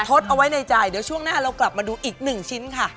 ทดเอาไว้ในใจเดี๋ยวช่วงหน้าเรากลับมาดูอีกหนึ่งชิ้นค่ะ